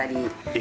え？